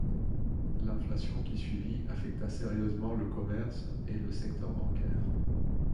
L'inflation qui suivit affecta sérieusement le commerce et le secteur bancaire.